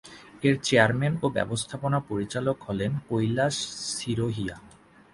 এর চেয়ারম্যান ও ব্যবস্থাপনা পরিচালক হলেন কৈলাশ সিরোহিয়া।